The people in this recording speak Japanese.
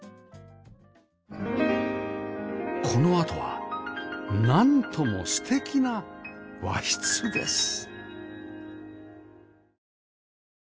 このあとはなんとも素敵な和室です